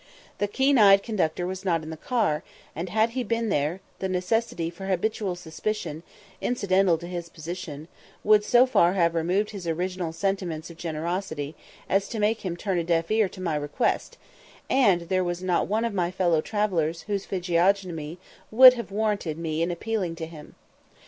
The keen eyed conductor was not in the car, and, had he been there, the necessity for habitual suspicion, incidental to his position, would so far have removed his original sentiments of generosity as to make him turn a deaf ear to my request, and there was not one of my fellow travellers whose physiognomy would have warranted me in appealing to him.